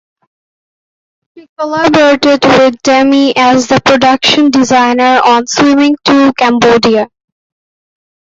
She collaborated with Demme as the production designer on "Swimming to Cambodia".